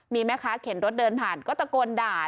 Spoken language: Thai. มีแม่ค้าเข็นรถเดินผ่านก็ตะโกนด่า